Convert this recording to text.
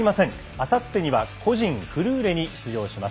あさってには個人フルーレに出場します。